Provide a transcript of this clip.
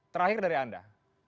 terakhir dari anda